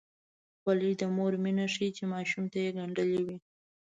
خولۍ د مور مینه ښيي چې ماشوم ته یې ګنډلې وي.